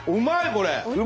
これ！